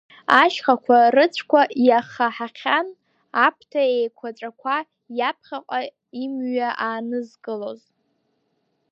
Ашьхақәа рыцәқәа иахаҳахьан аԥҭа еиқәаҵәақәа иаԥхьаҟа имҩа аанызкылоз.